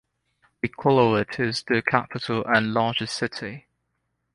Iqaluit is the capital and largest city.